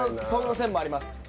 その線もあります